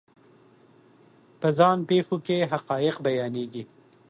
په ځان پېښو کې حقایق بیانېږي.